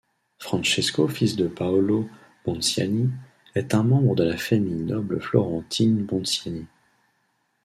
Francesco, fils de Paolo Bonciani, est un membre de la famille noble florentine Bonciani.